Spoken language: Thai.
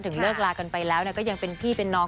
เลิกลากันไปแล้วก็ยังเป็นพี่เป็นน้อง